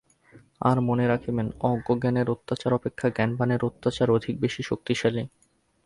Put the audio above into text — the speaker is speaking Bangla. আর মনে রাখিবেন, অজ্ঞ-জনের অত্যাচার অপেক্ষা জ্ঞানবানের অত্যাচার অনেক বেশী শক্তিশালী।